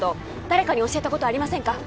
誰かに教えたことありませんか？